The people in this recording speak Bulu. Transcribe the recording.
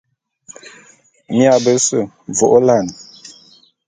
Mia bese vô'ôla'an.